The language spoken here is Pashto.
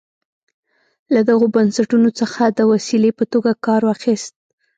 له دغو بنسټونو څخه د وسیلې په توګه کار اخیست.